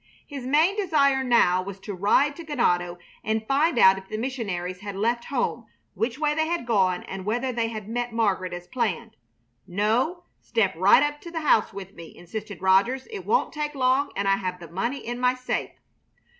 His main desire now was to ride to Ganado and find out if the missionaries had left home, which way they had gone, and whether they had met Margaret as planned. "No, step right up to the house with me," insisted Rogers. "It won't take long, and I have the money in my safe."